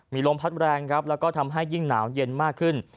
มีลมพัดแรงครับแล้วก็ทำให้ยิ่งหนาวเย็นมากขึ้น